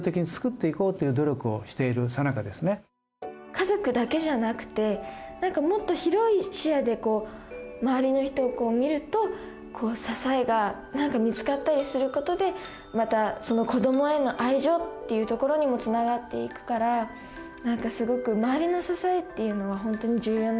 家族だけじゃなくて何かもっと広い視野で周りの人を見ると支えが何か見つかったりすることでまたその子どもへの愛情っていうところにもつながっていくから何かすごく周りの支えっていうのは本当に重要なんだなって思いました。